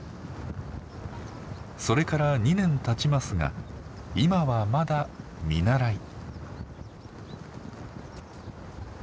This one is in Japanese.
それから２年たちますが今はまだ見習い。